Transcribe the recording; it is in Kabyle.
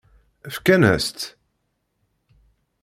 Fkan-as-tt?